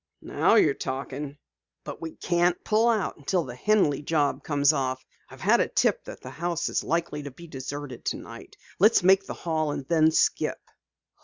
"Now you're talking! But we can't pull out until the Henley job comes off. I've had a tip that the house is likely to be deserted tonight. Let's make the haul and then skip."